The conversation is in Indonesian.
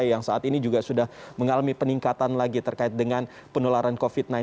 yang saat ini juga sudah mengalami peningkatan lagi terkait dengan penularan covid sembilan belas